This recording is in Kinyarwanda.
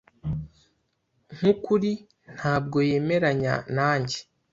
Nkukuri, ntabwo yemeranya nanjye.